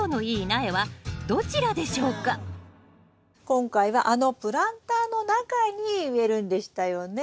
今回はあのプランターの中に植えるんでしたよね？